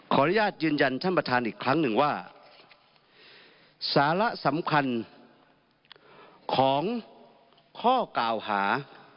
อนุญาตยืนยันท่านประธานอีกครั้งหนึ่งว่าสาระสำคัญของข้อกล่าวหา